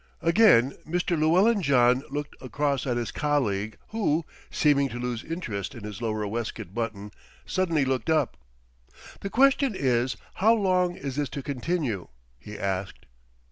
Again Mr. Llewellyn John looked across at his colleague who, seeming to lose interest in his lower waistcoat button, suddenly looked up. "The question is, how long is this to continue?" he asked.